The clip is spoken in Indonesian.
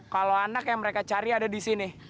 kalau anak yang mereka cari ada di sini